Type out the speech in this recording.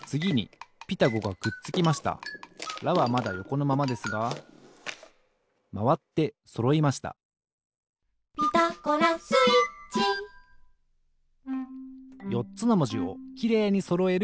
「ラ」はまだよこのままですがまわってそろいました「ピタゴラスイッチ」よっつのもじをきれいにそろえる